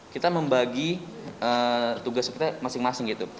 kita membagi tugas kita masing masing gitu